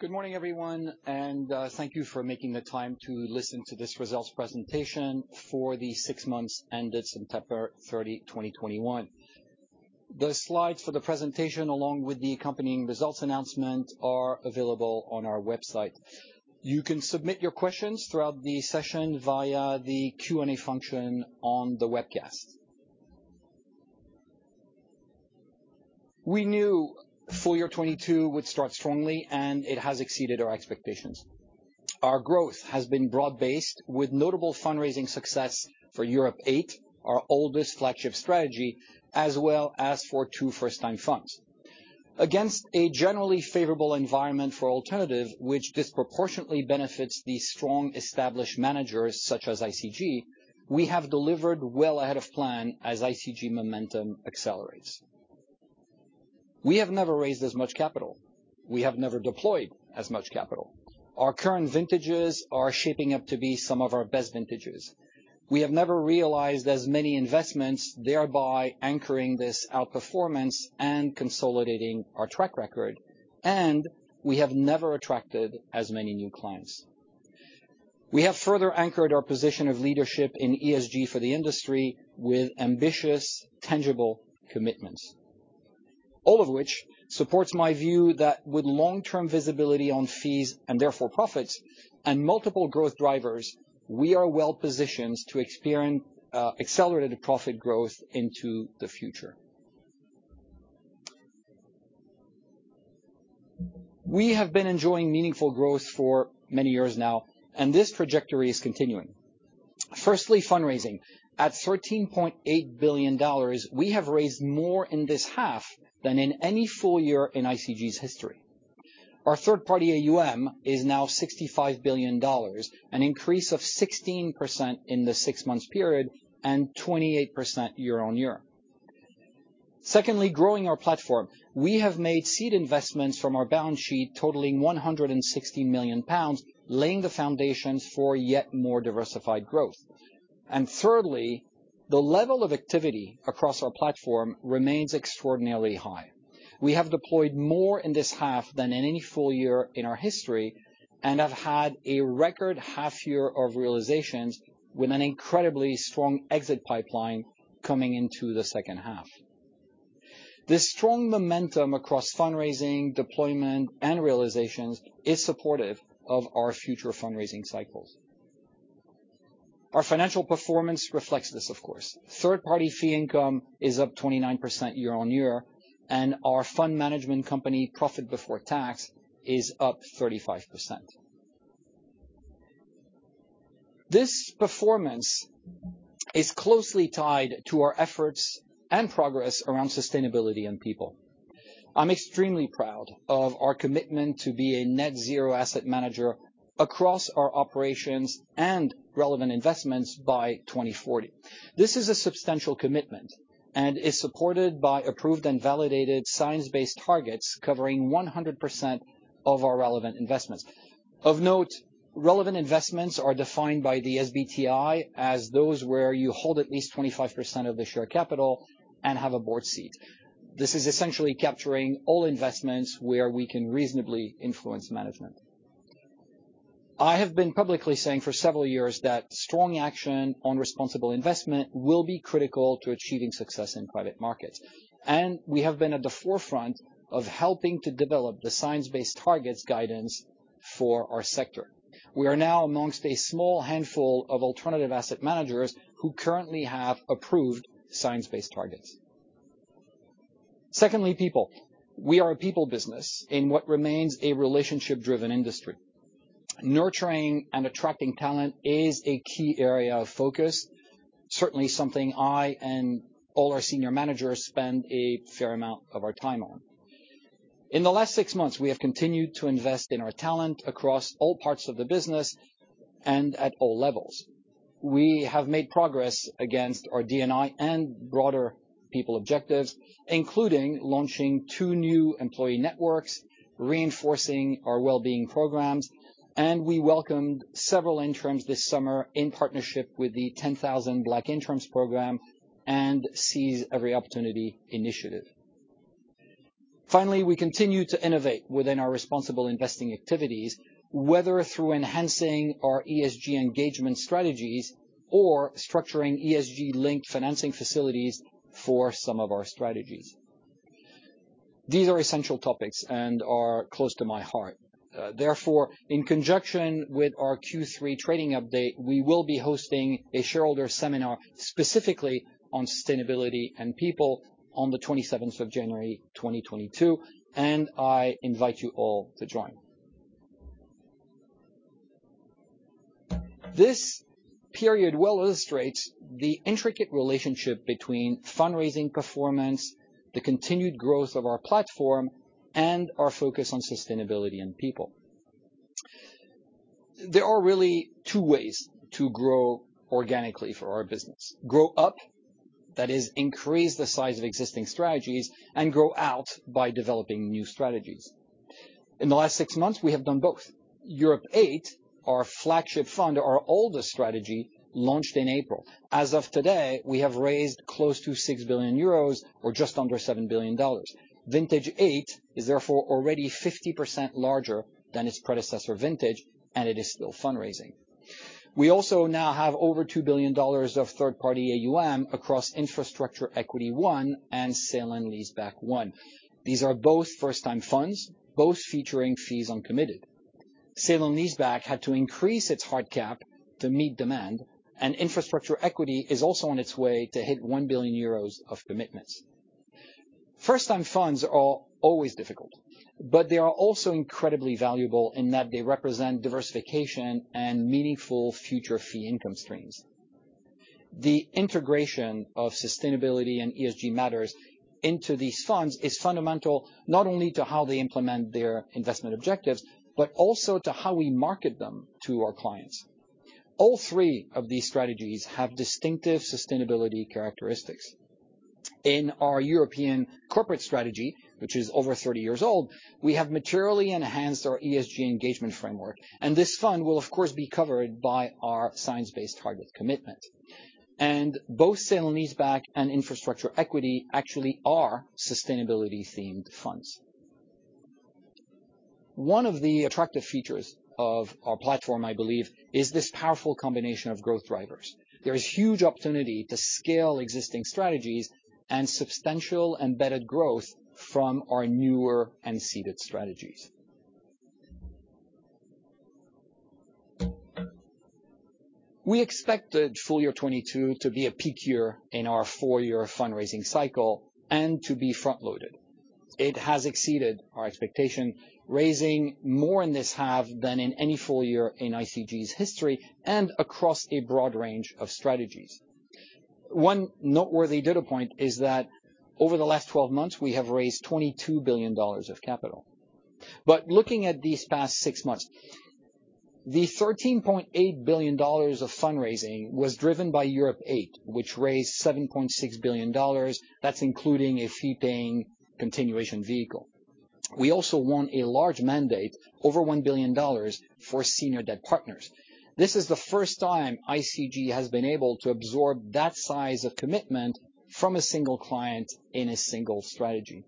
Good morning, everyone, and thank you for making the time to listen to this results presentation for the six months ended September 30, 2021. The slides for the presentation, along with the accompanying results announcement, are available on our website. You can submit your questions throughout the session via the Q&A function on the webcast. We knew full year 2022 would start strongly, and it has exceeded our expectations. Our growth has been broad-based with notable fundraising success for Europe VIII, our oldest flagship strategy, as well as for two first-time funds. Against a generally favorable environment for alternative, which disproportionately benefits the strong established managers such as ICG, we have delivered well ahead of plan as ICG momentum accelerates. We have never raised as much capital. We have never deployed as much capital. Our current vintages are shaping up to be some of our best vintages. We have never realized as many investments, thereby anchoring this outperformance and consolidating our track record, and we have never attracted as many new clients. We have further anchored our position of leadership in ESG for the industry with ambitious tangible commitments. All of which supports my view that with long-term visibility on fees and therefore profits and multiple growth drivers, we are well positioned to experience accelerated profit growth into the future. We have been enjoying meaningful growth for many years now, and this trajectory is continuing. Firstly, fundraising. At $13.8 billion, we have raised more in this half than in any full year in ICG's history. Our third-party AUM is now $65 billion, an increase of 16% in the six-month period and 28% year-on-year. Secondly, growing our platform. We have made seed investments from our balance sheet totaling 160 million pounds, laying the foundations for yet more diversified growth. Thirdly, the level of activity across our platform remains extraordinarily high. We have deployed more in this half than in any full year in our history and have had a record half year of realizations with an incredibly strong exit pipeline coming into the second half. This strong momentum across fundraising, deployment, and realizations is supportive of our future fundraising cycles. Our financial performance reflects this of course. Third-party fee income is up 29% year-over-year, and our fund management company profit before tax is up 35%. This performance is closely tied to our efforts and progress around sustainability and people. I'm extremely proud of our commitment to be a net zero asset manager across our operations and relevant investments by 2040. This is a substantial commitment and is supported by approved and validated science-based targets covering 100% of our relevant investments. Of note, relevant investments are defined by the SBTI as those where you hold at least 25% of the share capital and have a board seat. This is essentially capturing all investments where we can reasonably influence management. I have been publicly saying for several years that strong action on responsible investment will be critical to achieving success in private markets, and we have been at the forefront of helping to develop the science-based targets guidance for our sector. We are now amongst a small handful of alternative asset managers who currently have approved science-based targets. Secondly, people. We are a people business in what remains a relationship-driven industry. Nurturing and attracting talent is a key area of focus, certainly something I and all our senior managers spend a fair amount of our time on. In the last six months, we have continued to invest in our talent across all parts of the business and at all levels. We have made progress against our D&I and broader people objectives, including launching two new employee networks, reinforcing our well-being programs, and we welcomed several interns this summer in partnership with the 10,000 Black Interns program and SEO London. Finally, we continue to innovate within our responsible investing activities, whether through enhancing our ESG engagement strategies or structuring ESG-linked financing facilities for some of our strategies. These are essential topics and are close to my heart. Therefore, in conjunction with our Q3 trading update, we will be hosting a shareholder seminar specifically on sustainability and people on the 27th of January 2022, and I invite you all to join. This period well illustrates the intricate relationship between fundraising performance, the continued growth of our platform, and our focus on sustainability and people. There are really two ways to grow organically for our business. Grow up, that is increase the size of existing strategies, and grow out by developing new strategies. In the last six months, we have done both. Europe VIII, our flagship fund, our oldest strategy launched in April. As of today, we have raised close to 6 billion euros or just under $7 billion. Vintage VIII is therefore already 50% larger than its predecessor vintage, and it is still fundraising. We also now have over $2 billion of third-party AUM across Infrastructure Equity I and Sale and Leaseback 1. These are both first-time funds, both featuring fees uncommitted. Sale and Leaseback 1 had to increase its hard cap to meet demand, Infrastructure Equity I is also on its way to hit 1 billion euros of commitments. First-time funds are always difficult, but they are also incredibly valuable in that they represent diversification and meaningful future fee income streams. The integration of sustainability and ESG matters into these funds is fundamental, not only to how they implement their investment objectives, but also to how we market them to our clients. All three of these strategies have distinctive sustainability characteristics. In our European corporate strategy, which is over 30 years old, we have materially enhanced our ESG engagement framework, and this fund will of course, be covered by our science-based target commitment. Both Sale and Leaseback I and Infrastructure Equity I actually are sustainability themed funds. One of the attractive features of our platform, I believe, is this powerful combination of growth drivers. There is huge opportunity to scale existing strategies and substantial embedded growth from our newer and seeded strategies. We expected full year 2022 to be a peak year in our four-year fundraising cycle and to be front loaded. It has exceeded our expectation, raising more in this half than in any full year in ICG's history and across a broad range of strategies. One noteworthy data point is that over the last 12 months we have raised $22 billion of capital. Looking at these past six months, the $13.8 billion of fundraising was driven by ICG Europe Fund VIII, which raised $7.6 billion. That's including a fee paying continuation vehicle. We also won a large mandate over $1 billion for Senior Debt Partners. This is the first time ICG has been able to absorb that size of commitment from a single client in a single strategy.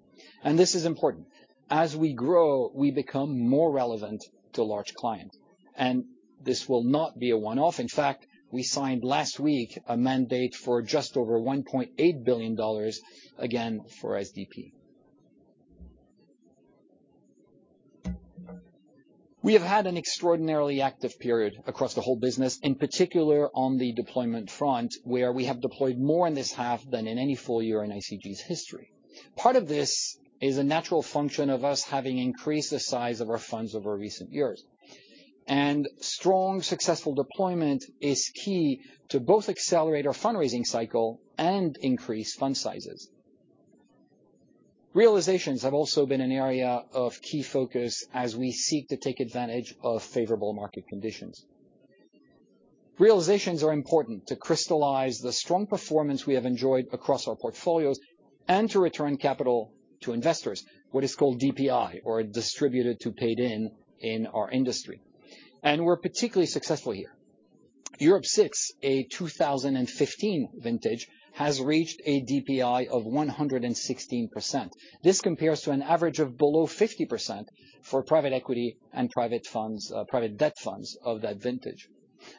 This is important. As we grow, we become more relevant to large client, and this will not be a one off. In fact, we signed last week a mandate for just over $1.8 billion again for SDP. We have had an extraordinarily active period across the whole business, in particular on the deployment front, where we have deployed more in this half than in any full year in ICG's history. Part of this is a natural function of us having increased the size of our funds over recent years. Strong successful deployment is key to both accelerate our fundraising cycle and increase fund sizes. Realizations have also been an area of key focus as we seek to take advantage of favorable market conditions. Realizations are important to crystallize the strong performance we have enjoyed across our portfolios and to return capital to investors, what is called DPI or distributed to paid in our industry. We're particularly successful here. Europe VI, a 2015 vintage has reached a DPI of 116%. This compares to an average of below 50% for private equity and private funds, private debt funds of that vintage.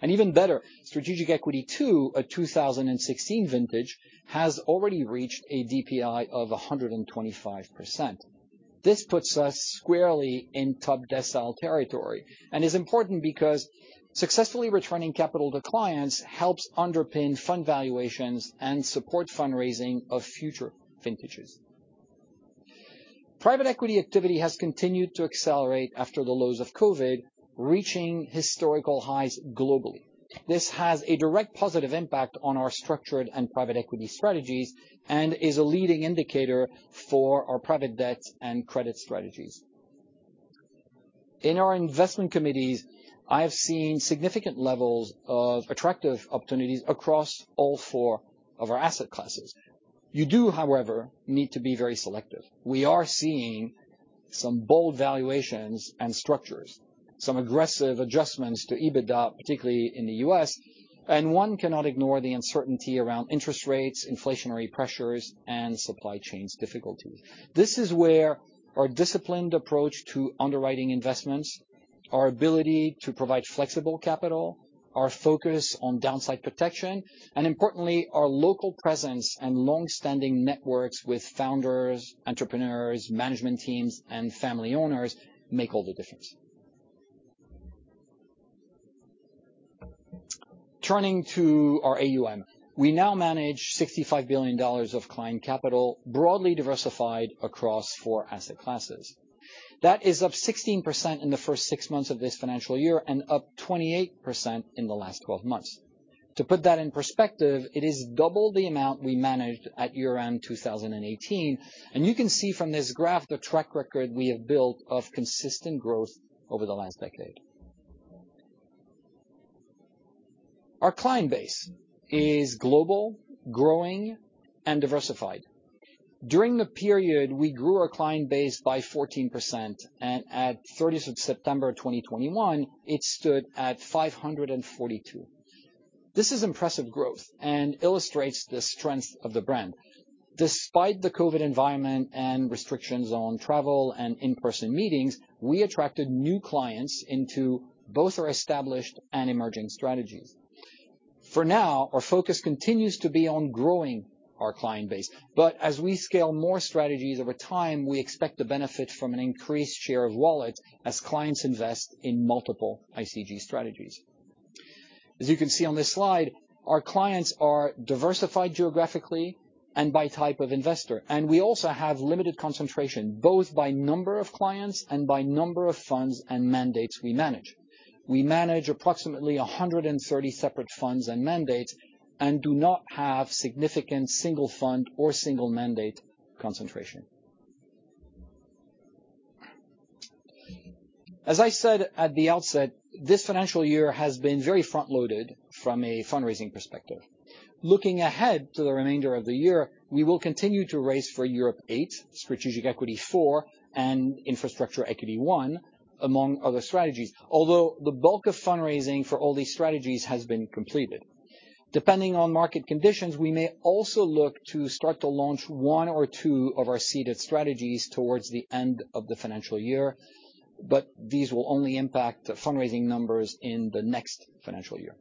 Even better, Strategic Equity II, a 2016 vintage has already reached a DPI of 125%. This puts us squarely in top decile territory and is important because successfully returning capital to clients helps underpin fund valuations and support fundraising of future vintages. Private equity activity has continued to accelerate after the lows of COVID, reaching historical highs globally. This has a direct positive impact on our structured and private equity strategies and is a leading indicator for our private debt and credit strategies. In our investment committees, I have seen significant levels of attractive opportunities across all four of our asset classes. You do, however, need to be very selective. We are seeing some bold valuations and structures, some aggressive adjustments to EBITDA, particularly in the U.S. One cannot ignore the uncertainty around interest rates, inflationary pressures, and supply chain difficulties. This is where our disciplined approach to underwriting investments, our ability to provide flexible capital, our focus on downside protection, and importantly, our local presence and long-standing networks with founders, entrepreneurs, management teams, and family owners make all the difference. Turning to our AUM. We now manage $65 billion of client capital, broadly diversified across four asset classes. That is up 16% in the first 6 months of this financial year and up 28% in the last 12 months. To put that in perspective, it is double the amount we managed at year-end 2018. You can see from this graph the track record we have built of consistent growth over the last decade. Our client base is global, growing, and diversified. During the period, we grew our client base by 14%, and at 30th of September 2021, it stood at 542. This is impressive growth and illustrates the strength of the brand. Despite the COVID environment and restrictions on travel and in-person meetings, we attracted new clients into both our established and emerging strategies. For now, our focus continues to be on growing our client base. As we scale more strategies over time, we expect the benefit from an increased share of wallet as clients invest in multiple ICG strategies. As you can see on this slide, our clients are diversified geographically and by type of investor, and we also have limited concentration, both by number of clients and by number of funds and mandates we manage. We manage approximately 130 separate funds and mandates and do not have significant single fund or single mandate concentration. As I said at the outset, this financial year has been very front-loaded from a fundraising perspective. Looking ahead to the remainder of the year, we will continue to raise for Europe VIII, Strategic Equity IV, and Infrastructure Equity I, among other strategies, although the bulk of fundraising for all these strategies has been completed. Depending on market conditions, we may also look to start to launch one or two of our seeded strategies towards the end of the financial year, but these will only impact the fundraising numbers in the next financial year.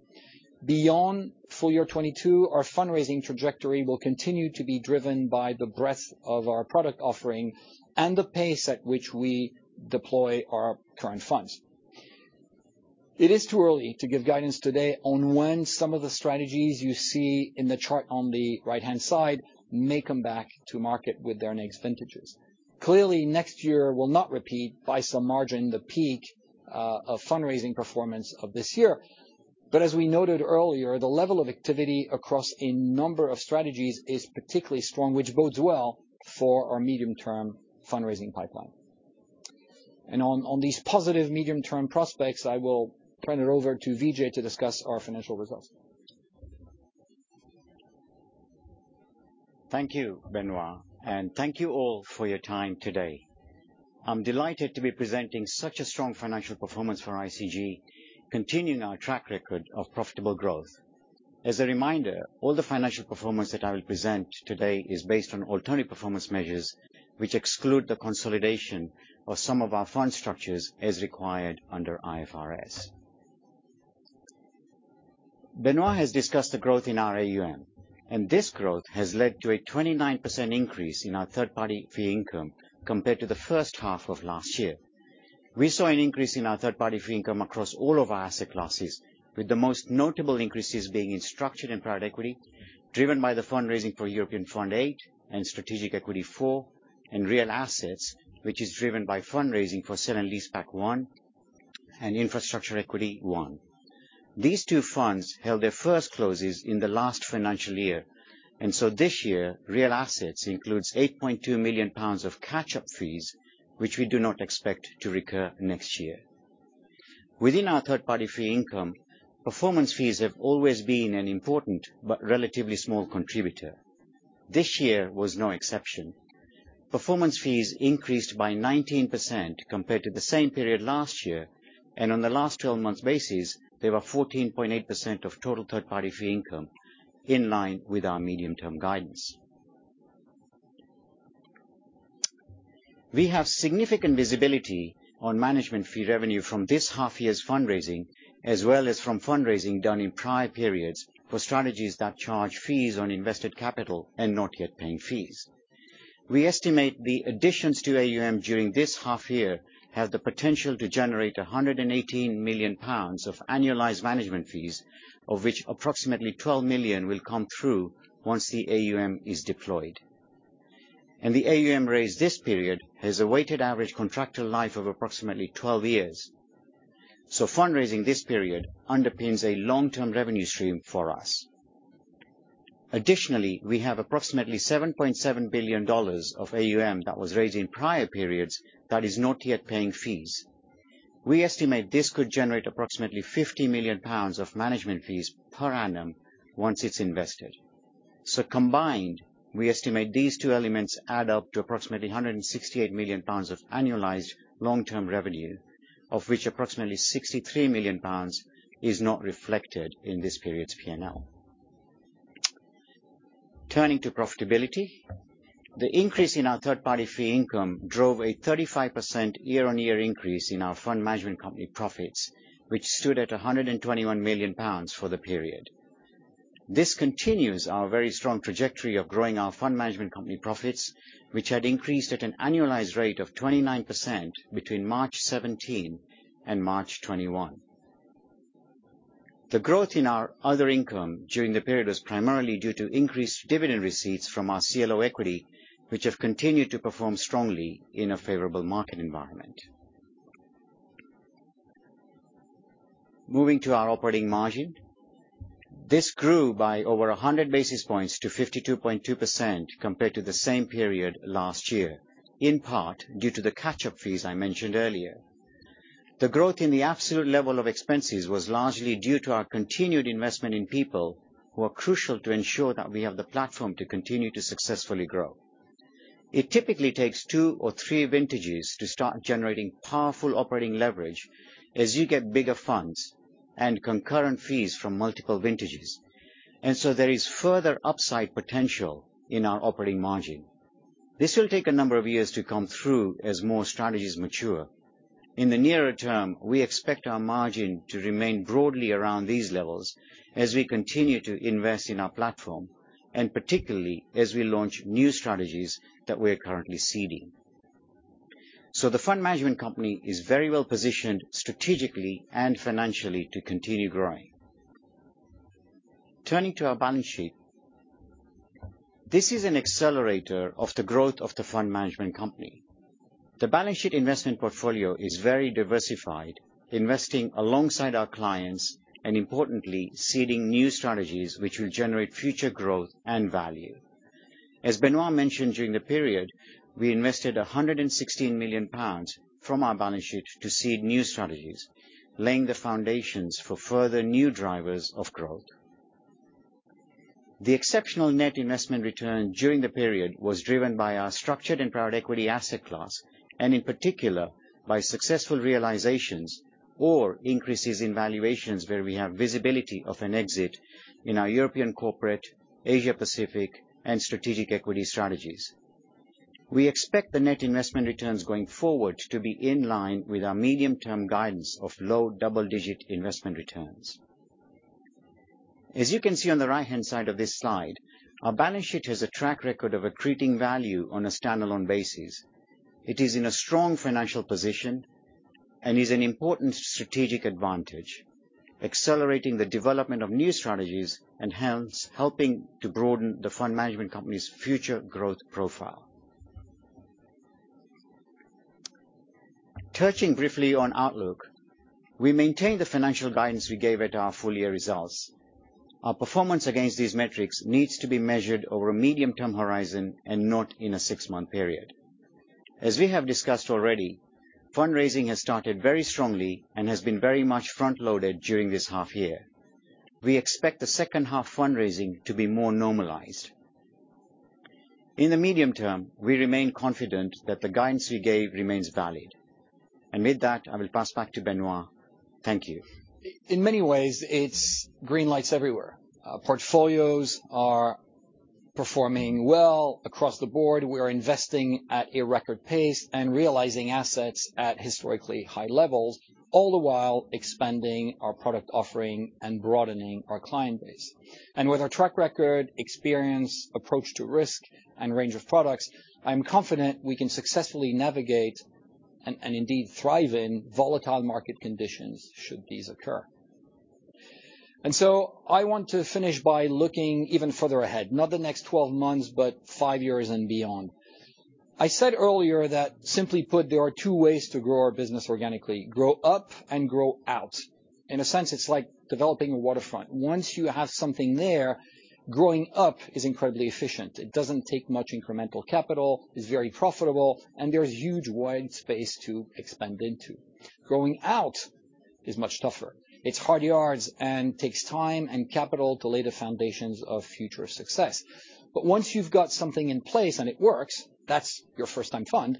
Beyond full year 2022, our fundraising trajectory will continue to be driven by the breadth of our product offering and the pace at which we deploy our current funds. It is too early to give guidance today on when some of the strategies you see in the chart on the right-hand side may come back to market with their next vintages. Clearly, next year will not repeat by some margin the peak of fundraising performance of this year. As we noted earlier, the level of activity across a number of strategies is particularly strong, which bodes well for our medium-term fundraising pipeline. On these positive medium-term prospects, I will turn it over to Vijay to discuss our financial results. Thank you, Benoît, and thank you all for your time today. I'm delighted to be presenting such a strong financial performance for ICG, continuing our track record of profitable growth. As a reminder, all the financial performance that I will present today is based on alternative performance measures, which exclude the consolidation of some of our fund structures as required under IFRS. has discussed the growth in our AUM, and this growth has led to a 29% increase in our third-party fee income compared to the first half of last year. We saw an increase in our third-party fee income across all of our asset classes, with the most notable increases being in structured and private equity, driven by the fundraising for ICG Europe Fund VIII and ICG Strategic Equity IV and Real Assets, which is driven by fundraising for Sale and Leaseback 1 and ICG Infrastructure Equity I. These two funds held their first closes in the last financial year, and so this year, Real Assets includes 8.2 million pounds of catch-up fees, which we do not expect to recur next year. Within our third-party fee income, performance fees have always been an important but relatively small contributor. This year was no exception. Performance fees increased by 19% compared to the same period last year, and on the last 12 months basis, they were 14.8% of total third-party fee income, in line with our medium-term guidance. We have significant visibility on management fee revenue from this half year's fundraising, as well as from fundraising done in prior periods for strategies that charge fees on invested capital and not yet paying fees. We estimate the additions to AUM during this half year have the potential to generate 118 million pounds of annualized management fees, of which approximately 12 million will come through once the AUM is deployed. The AUM raised this period has a weighted average contractual life of approximately 12 years. Fundraising this period underpins a long-term revenue stream for us. Additionally, we have approximately $7.7 billion of AUM that was raised in prior periods that is not yet paying fees. We estimate this could generate approximately 50 million pounds of management fees per annum once it's invested. Combined, we estimate these two elements add up to approximately 168 million pounds of annualized long-term revenue, of which approximately 63 million pounds is not reflected in this period's P&L. Turning to profitability, the increase in our third-party fee income drove a 35% year-on-year increase in our fund management company profits, which stood at 121 million pounds for the period. This continues our very strong trajectory of growing our fund management company profits, which had increased at an annualized rate of 29% between March 2017 and March 2021. The growth in our other income during the period was primarily due to increased dividend receipts from our CLO equity, which have continued to perform strongly in a favorable market environment. Moving to our operating margin. This grew by over 100 basis points to 52.2% compared to the same period last year, in part due to the catch-up fees I mentioned earlier. The growth in the absolute level of expenses was largely due to our continued investment in people who are crucial to ensure that we have the platform to continue to successfully grow. It typically takes 2 or 3 vintages to start generating powerful operating leverage as you get bigger funds and concurrent fees from multiple vintages. There is further upside potential in our operating margin. This will take a number of years to come through as more strategies mature. In the nearer term, we expect our margin to remain broadly around these levels as we continue to invest in our platform, and particularly as we launch new strategies that we are currently seeding. The fund management company is very well-positioned strategically and financially to continue growing. Turning to our balance sheet, this is an accelerator of the growth of the fund management company. The balance sheet investment portfolio is very diversified, investing alongside our clients and importantly, seeding new strategies which will generate future growth and value. As mentioned, during the period, we invested 116 million pounds from our balance sheet to seed new strategies, laying the foundations for further new drivers of growth. The exceptional net investment return during the period was driven by our structured and private equity asset class, and in particular, by successful realizations or increases in valuations where we have visibility of an exit in our European corporate, Asia-Pacific, and strategic equity strategies. We expect the net investment returns going forward to be in line with our medium-term guidance of low double-digit investment returns. As you can see on the right-hand side of this slide, our balance sheet has a track record of accreting value on a standalone basis. It is in a strong financial position and is an important strategic advantage, accelerating the development of new strategies and hence helping to broaden the fund management company's future growth profile. Touching briefly on outlook, we maintain the financial guidance we gave at our full-year results. Our performance against these metrics needs to be measured over a medium-term horizon and not in a six-month period. As we have discussed already, fundraising has started very strongly and has been very much front-loaded during this half year. We expect the second half fundraising to be more normalized. In the medium term, we remain confident that the guidance we gave remains valid. With that, I will pass back to Benoît. Thank you. In many ways, it's green lights everywhere. Portfolios are performing well across the board. We are investing at a record pace and realizing assets at historically high levels, all the while expanding our product offering and broadening our client base. With our track record, experience, approach to risk, and range of products, I'm confident we can successfully navigate and indeed thrive in volatile market conditions should these occur. I want to finish by looking even further ahead, not the next 12 months, but 5 years and beyond. I said earlier that simply put, there are two ways to grow our business organically, grow up and grow out. In a sense, it's like developing a waterfront. Once you have something there, growing up is incredibly efficient. It doesn't take much incremental capital, it's very profitable, and there's huge wide space to expand into. Growing out is much tougher. It's hard yards and takes time and capital to lay the foundations of future success. Once you've got something in place and it works, that's your first time fund,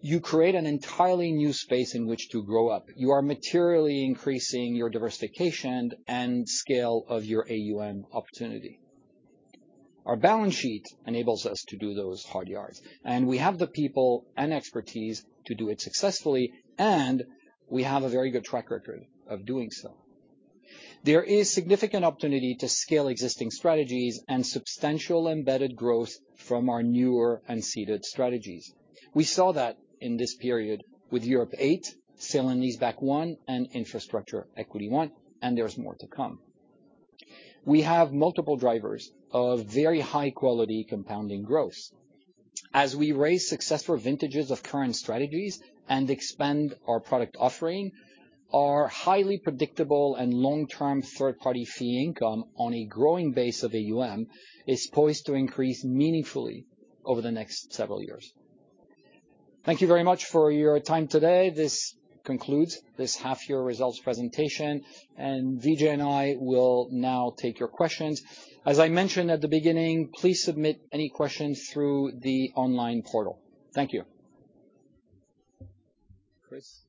you create an entirely new space in which to grow up. You are materially increasing your diversification and scale of your AUM opportunity. Our balance sheet enables us to do those hard yards, and we have the people and expertise to do it successfully, and we have a very good track record of doing so. There is significant opportunity to scale existing strategies and substantial embedded growth from our newer unseeded strategies. We saw that in this period with Europe VIII, Senior Debt Partners, and Infrastructure Equity I, and there's more to come. We have multiple drivers of very high-quality compounding growth. As we raise successful vintages of current strategies and expand our product offering, our highly predictable and long-term third-party fee income on a growing base of AUM is poised to increase meaningfully over the next several years. Thank you very much for your time today. This concludes this half-year results presentation, and Vijay and I will now take your questions. As I mentioned at the beginning, please submit any questions through the online portal. Thank you. Chris?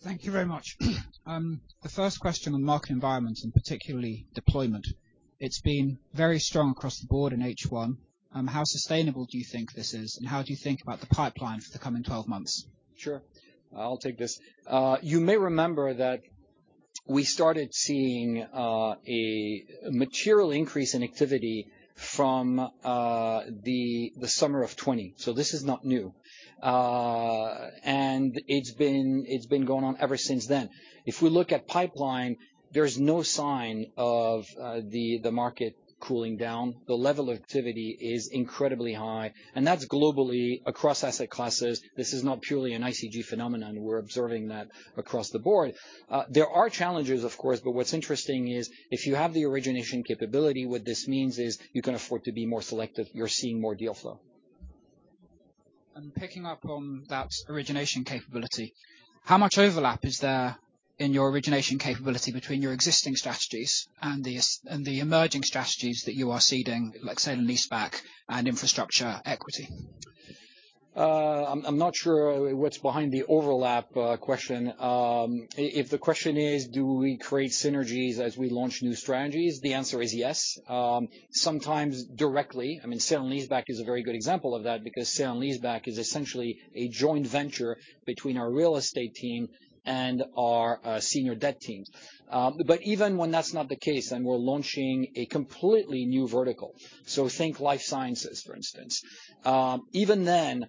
Thank you very much. The first question on market environment, and particularly deployment, it's been very strong across the board in H1. How sustainable do you think this is, and how do you think about the pipeline for the coming 12 months? Sure. I'll take this. You may remember that we started seeing a material increase in activity from the summer of 2020, so this is not new. It's been going on ever since then. If we look at pipeline, there's no sign of the market cooling down. The level of activity is incredibly high, and that's globally across asset classes. This is not purely an ICG phenomenon. We're observing that across the board. There are challenges, of course, but what's interesting is if you have the origination capability, what this means is you can afford to be more selective. You're seeing more deal flow. Picking up on that origination capability, how much overlap is there in your origination capability between your existing strategies and the emerging strategies that you are seeding, like Sale and Leaseback I and Infrastructure Equity I? I'm not sure what's behind the overlap question. If the question is, do we create synergies as we launch new strategies? The answer is yes. Sometimes directly. I mean, Sale and Leaseback I is a very good example of that because Sale and Leaseback I is essentially a joint venture between our real estate team and our senior debt team. But even when that's not the case, and we're launching a completely new vertical, so think life sciences, for instance. Even then,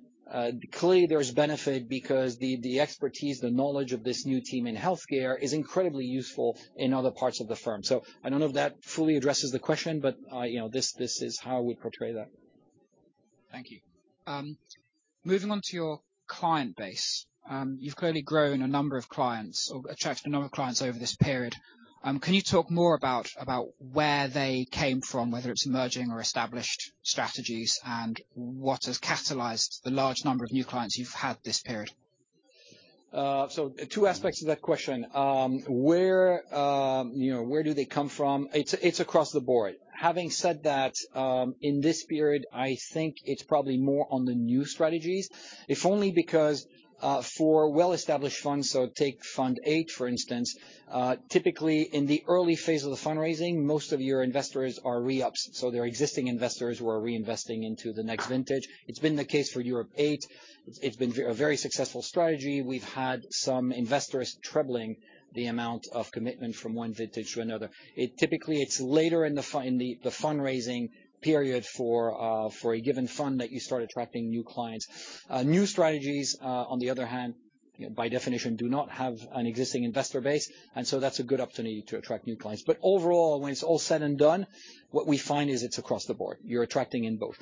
clearly there's benefit because the expertise, the knowledge of this new team in healthcare is incredibly useful in other parts of the firm. I don't know if that fully addresses the question, but you know, this is how we portray that. Thank you. Moving on to your client base. You've clearly grown a number of clients or attracted a number of clients over this period. Can you talk more about where they came from, whether it's emerging or established strategies and what has catalyzed the large number of new clients you've had this period? Two aspects of that question. Where, you know, where do they come from? It's across the board. Having said that, in this period, I think it's probably more on the new strategies, if only because, for well-established funds, so take fund eight, for instance, typically in the early phase of the fundraising, most of your investors are re-ups, so they're existing investors who are reinvesting into the next vintage. It's been the case for Europe VIII. It's been a very successful strategy. We've had some investors trebling the amount of commitment from one vintage to another. It typically is later in the fundraising period for a given fund that you start attracting new clients. New strategies, on the other hand, by definition, do not have an existing investor base, and so that's a good opportunity to attract new clients. Overall, when it's all said and done, what we find is it's across the board. You're attracting in both.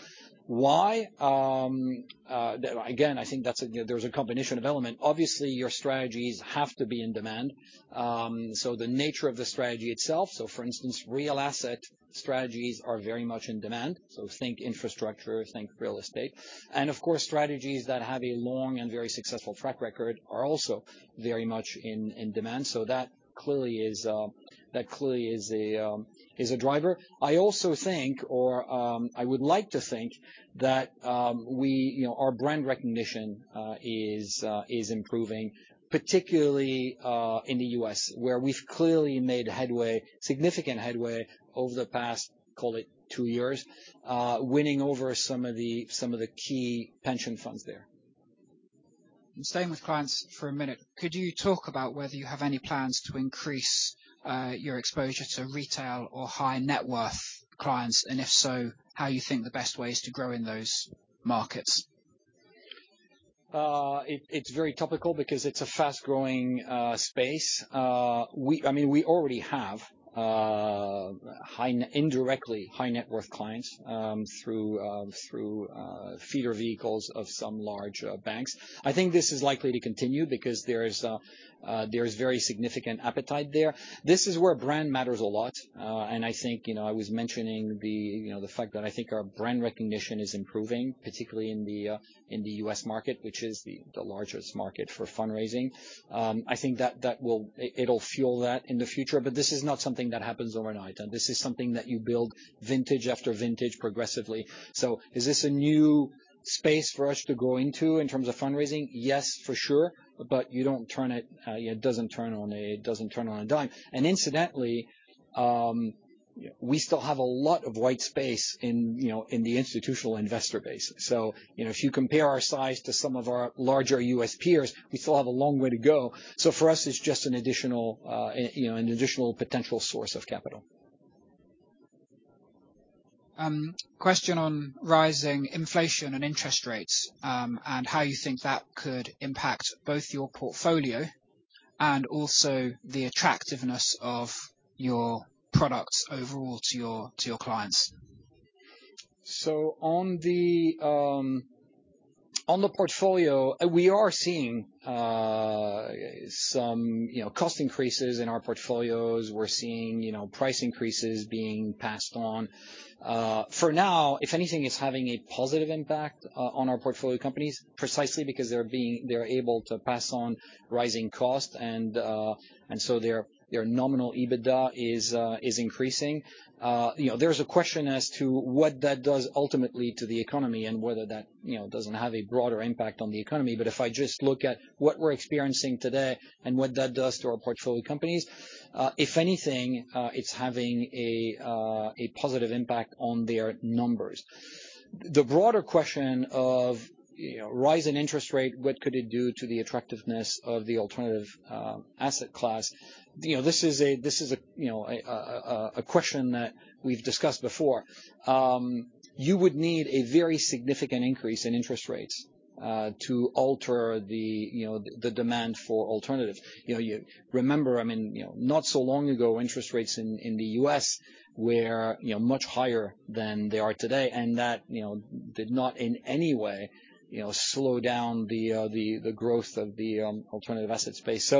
Why? Again, I think that's a you know there's a combination of element. Obviously, your strategies have to be in demand, so the nature of the strategy itself. For instance, Real Assets strategies are very much in demand, so think infrastructure, think real estate. Of course, strategies that have a long and very successful track record are also very much in demand. That clearly is a driver. I also think I would like to think that we... You know, our brand recognition is improving, particularly in the U.S., where we've clearly made headway, significant headway over the past, call it two years, winning over some of the key pension funds there. Staying with clients for a minute, could you talk about whether you have any plans to increase your exposure to retail or high net worth clients? If so, how you think the best way is to grow in those markets. It's very topical because it's a fast-growing space. I mean, we already have indirectly high net worth clients through feeder vehicles of some large banks. I think this is likely to continue because there is very significant appetite there. This is where brand matters a lot. I think, you know, I was mentioning the fact that I think our brand recognition is improving, particularly in the U.S., market, which is the largest market for fundraising. I think that will fuel that in the future. This is not something that happens overnight, and this is something that you build vintage after vintage progressively. Is this a new space for us to go into in terms of fundraising? Yes, for sure. You don't turn it. It doesn't turn on a dime. Incidentally, we still have a lot of white space in, you know, the institutional investor base. You know, if you compare our size to some of our larger U.S., peers, we still have a long way to go. For us, it's just an additional potential source of capital. Question on rising inflation and interest rates, and how you think that could impact both your portfolio and also the attractiveness of your products overall to your clients? On the portfolio, we are seeing some, you know, cost increases in our portfolios. We're seeing, you know, price increases being passed on. For now, if anything is having a positive impact on our portfolio companies, precisely because they're able to pass on rising costs, and so their nominal EBITDA is increasing. You know, there's a question as to what that does ultimately to the economy and whether that, you know, doesn't have a broader impact on the economy. If I just look at what we're experiencing today and what that does to our portfolio companies, if anything, it's having a positive impact on their numbers. The broader question of, you know, rise in interest rate, what could it do to the attractiveness of the alternative asset class? You know, this is a question that we've discussed before. You would need a very significant increase in interest rates to alter the you know, the demand for alternatives. You know, Remember, I mean, you know, not so long ago, interest rates in the U.S., were you know, much higher than they are today, and that you know, did not in any way you know, slow down the the growth of the alternative asset space.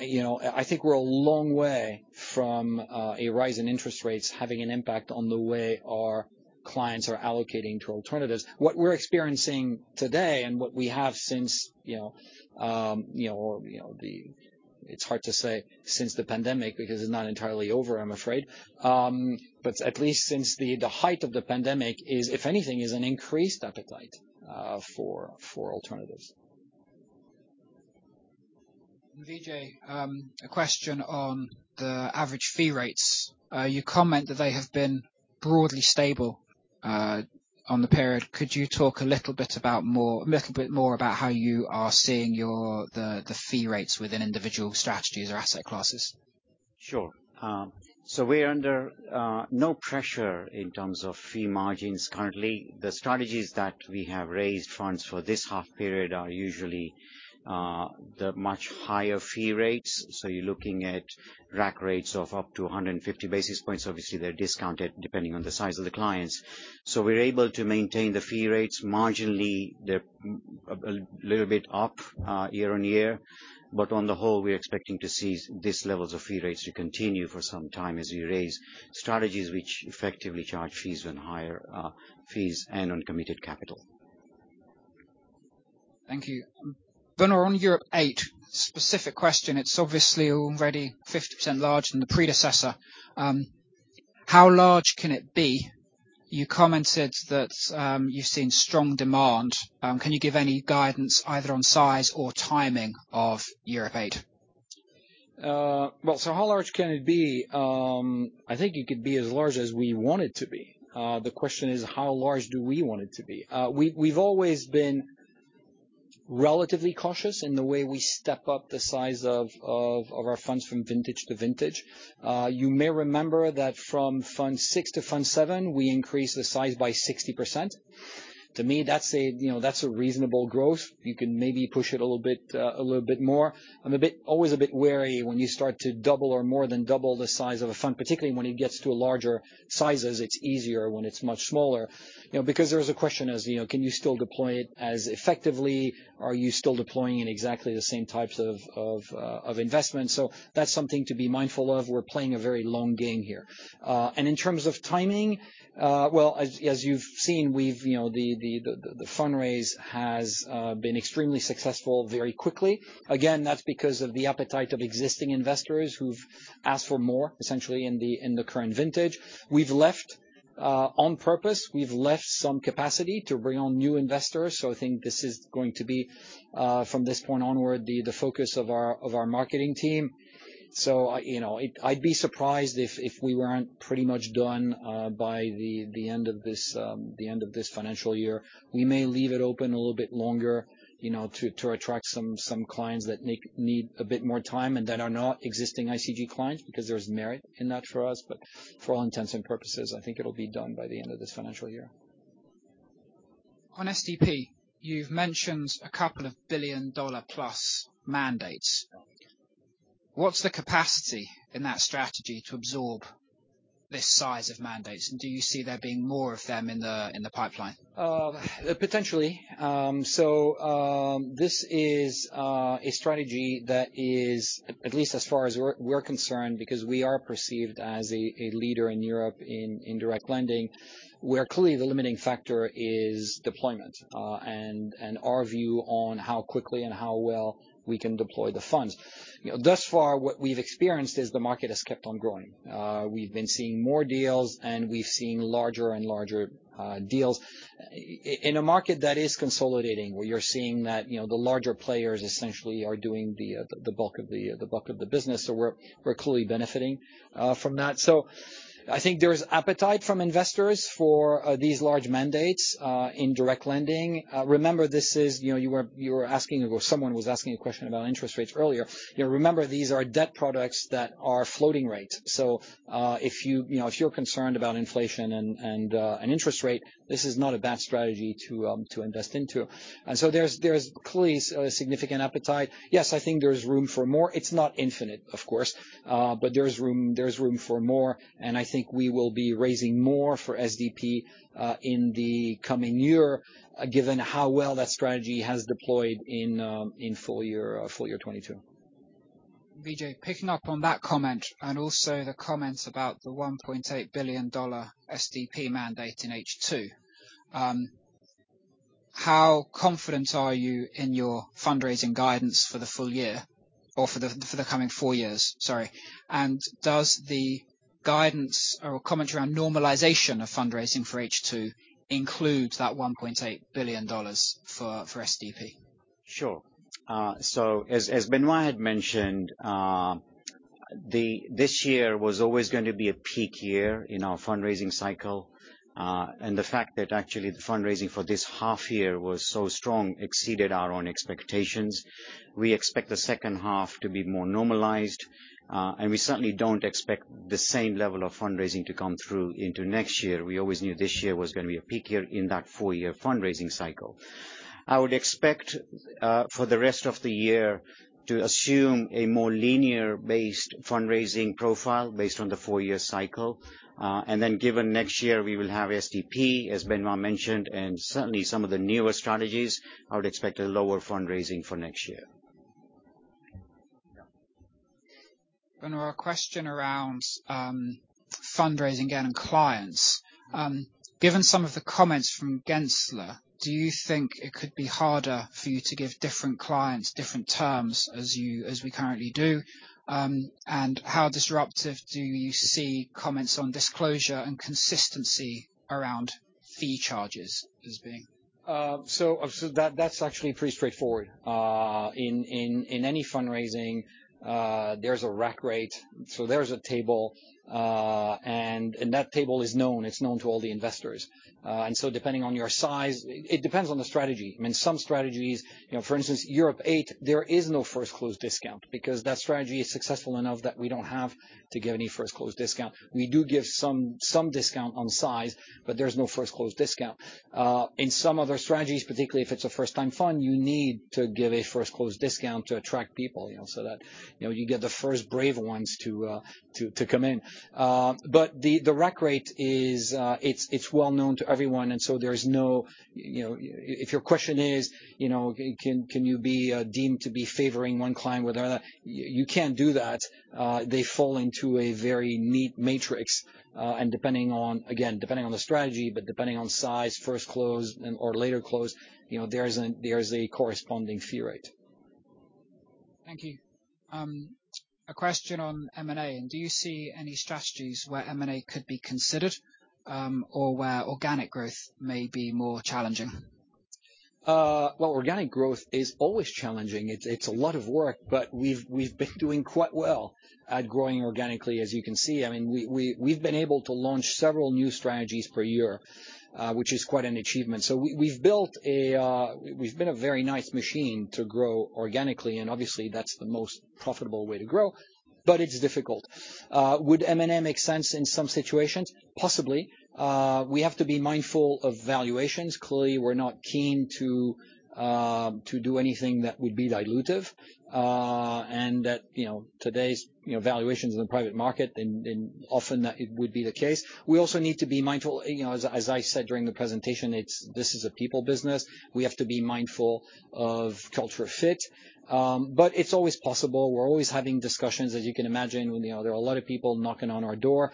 You know, I think we're a long way from a rise in interest rates having an impact on the way our clients are allocating to alternatives. What we're experiencing today and what we have since you know, it's hard to say since the pandemic because it's not entirely over, I'm afraid. At least since the height of the pandemic, if anything, is an increased appetite for alternatives. Vijay, a question on the average fee rates. You comment that they have been broadly stable over the period. Could you talk a little bit more about how you are seeing the fee rates within individual strategies or asset classes? Sure. We're under no pressure in terms of fee margins currently. The strategies that we have raised funds for this half period are usually the much higher fee rates. You're looking at rack rates of up to 150 basis points. Obviously, they're discounted depending on the size of the clients. We're able to maintain the fee rates marginally. They're a little bit up year on year. On the whole, we're expecting to see these levels of fee rates to continue for some time as we raise strategies which effectively charge fees and higher fees and uncommitted capital. Thank you. On Europe VIII, specific question. It's obviously already 50% larger than the predecessor. How large can it be? You commented that you've seen strong demand. Can you give any guidance either on size or timing of Europe VIII? Well, how large can it be? I think it could be as large as we want it to be. The question is how large do we want it to be? We've always been relatively cautious in the way we step up the size of our funds from vintage to vintage. You may remember that from fund 6 to fund 7, we increased the size by 60%. To me, that's a reasonable growth, you know. You can maybe push it a little bit more. I'm always a bit wary when you start to double or more than double the size of a fund, particularly when it gets to larger sizes, it's easier when it's much smaller. You know, because there's a question, you know, can you still deploy it as effectively? Are you still deploying in exactly the same types of investments? That's something to be mindful of. We're playing a very long game here. In terms of timing, well, as you've seen, we've, you know, the fundraise has been extremely successful very quickly. Again, that's because of the appetite of existing investors who've asked for more essentially in the current vintage. We've left on purpose some capacity to bring on new investors. I think this is going to be from this point onward the focus of our marketing team. You know, I'd be surprised if we weren't pretty much done by the end of this financial year. We may leave it open a little bit longer, you know, to attract some clients that need a bit more time and that are not existing ICG clients because there's merit in that for us. But for all intents and purposes, I think it'll be done by the end of this financial year. On SDP, you've mentioned a couple of billion-dollar plus mandates. What's the capacity in that strategy to absorb this size of mandates? And do you see there being more of them in the pipeline? Potentially. This is a strategy that is, at least as far as we're concerned, because we are perceived as a leader in Europe in direct lending, where clearly the limiting factor is deployment, and our view on how quickly and how well we can deploy the funds. You know, thus far, what we've experienced is the market has kept on growing. We've been seeing more deals, and we've seen larger and larger deals. In a market that is consolidating, where you're seeing that, you know, the larger players essentially are doing the bulk of the business. We're clearly benefiting from that. I think there's appetite from investors for these large mandates in direct lending. Remember, this is, you know, you were asking or someone was asking a question about interest rates earlier. You know, remember, these are debt products that are floating rate. If you know, if you're concerned about inflation and interest rate, this is not a bad strategy to invest into. There's clearly a significant appetite. Yes, I think there's room for more. It's not infinite, of course, but there's room for more. I think we will be raising more for SDP in the coming year, given how well that strategy has deployed in full year 2022. Vijay, picking up on that comment and also the comments about the $1.8 billion dollar SDP mandate in H2, how confident are you in your fundraising guidance for the full year or for the coming four years? Sorry. And does the guidance or comment around normalization of fundraising for H2 include that $1.8 billion dollars for SDP? As had mentioned, this year was always going to be a peak year in our fundraising cycle. The fact that actually the fundraising for this half year was so strong exceeded our own expectations. We expect the second half to be more normalized, and we certainly don't expect the same level of fundraising to come through into next year. We always knew this year was gonna be a peak year in that four-year fundraising cycle. I would expect for the rest of the year to assume a more linear-based fundraising profile based on the four-year cycle. Given next year, we will have SDP, as mentioned, and certainly some of the newer strategies, I would expect a lower fundraising for next year. A question around fundraising and clients. Given some of the comments from Gensler, do you think it could be harder for you to give different clients different terms as we currently do? How disruptive do you see comments on disclosure and consistency around fee charges as being? That, that's actually pretty straightforward. In any fundraising, there's a rack rate, so there's a table, and that table is known, it's known to all the investors. Depending on your size. It depends on the strategy. I mean, some strategies, you know, for instance, Europe VIII, there is no first close discount because that strategy is successful enough that we don't have to give any first close discount. We do give some discount on size, but there's no first close discount. In some of our strategies, particularly if it's a first time fund, you need to give a first close discount to attract people, you know, so that, you know, you get the first brave ones to come in. The rack rate is well known to everyone, so there's no, you know, if your question is, you know, can you be deemed to be favoring one client with another, you can't do that. They fall into a very neat matrix, and depending on the strategy, but depending on size, first close and/or later close, you know, there's a corresponding fee rate. Thank you. A question on M&A. Do you see any strategies where M&A could be considered, or where organic growth may be more challenging? Well, organic growth is always challenging. It's a lot of work, but we've been doing quite well at growing organically, as you can see. I mean, we've been able to launch several new strategies per year, which is quite an achievement. We've been a very nice machine to grow organically, and obviously that's the most profitable way to grow, but it's difficult. Would M&A make sense in some situations? Possibly. We have to be mindful of valuations. Clearly, we're not keen to do anything that would be dilutive, and that, you know, today's valuations in the private market and often that it would be the case. We also need to be mindful, you know, as I said during the presentation, it's, this is a people business. We have to be mindful of culture fit. It's always possible. We're always having discussions, as you can imagine, when, you know, there are a lot of people knocking on our door.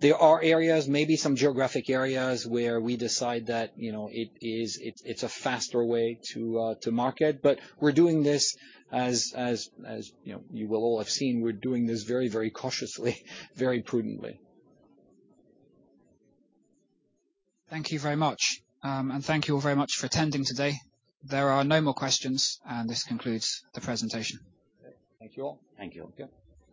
There are areas, maybe some geographic areas, where we decide that, you know, it's a faster way to market. We're doing this as, you know, you will all have seen, we're doing this very, very cautiously, very prudently. Thank you very much. Thank you all very much for attending today. There are no more questions, and this concludes the presentation. Okay. Thank you all. Thank you. Okay.